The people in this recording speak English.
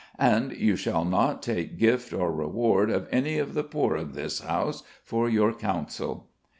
And you shall not take gift or reward of any of the poor of this house for your counsel."